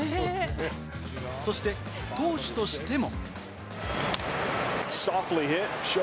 そして投手としても。